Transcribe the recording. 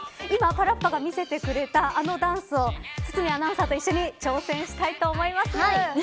今、パラッパが見せてくれたダンスを堤アナウンサーと一緒に挑戦したいと思います。